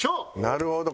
なるほど。